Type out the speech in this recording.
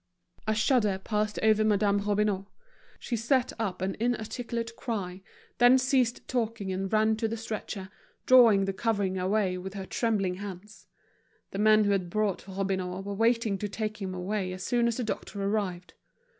A shudder passed over Madame Robineau. She set up an inarticulate cry, then ceased talking and ran to the stretcher, drawing the covering away with her trembling hands. The men who had brought Robineau were waiting to take him away as soon as the doctor arrived.